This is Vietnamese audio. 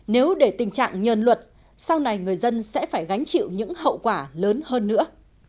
nếu để tình trạng nhờn luật sau này người dân sẽ phải gánh chịu những hậu quả lớn hơn nữa